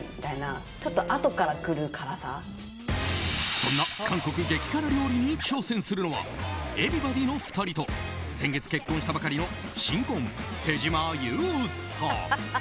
そんな韓国激辛料理に挑戦するのはＥｖｅｒｙｂｏｄｙの２人と先月結婚したばかりの新婚手島優さん。